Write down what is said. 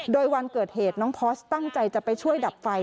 โดยวันเกิดเหตุน้องพอร์สตั้งใจจะไปช่วยดับไฟ